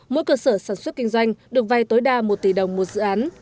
mỗi cơ sở sản xuất kinh doanh được vay tối đa một tỷ đồng một dự án